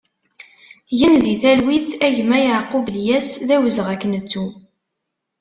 Gen di talwit a gma Yakub Lyas, d awezɣi ad k-nettu!